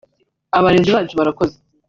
abarezi bacu barakoze”